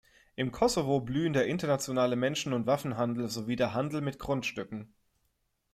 Im Kosovo blühen der internationale Menschen- und Waffenhandel sowie der Handel mit Grundstücken.